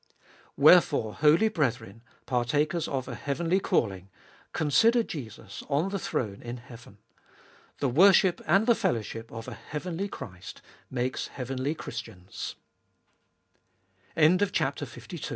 3. Wherefore, holy brethren, partakers of a heavenly calling, consider Jesus on the throne in heaven! The worship and the fellowship of a heavenly Christ makes heavenly Christi